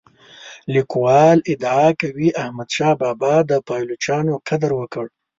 لیکوال ادعا کوي احمد شاه بابا د پایلوچانو قدر وکړ.